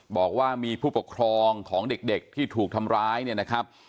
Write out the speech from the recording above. บอกว่ามีผู้ปกครองของเด็กที่ถูกทำร้ายเนี่ยนะครับ